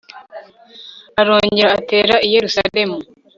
arongera atera i yerusalemu